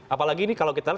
apalagi ini kalau kita lihat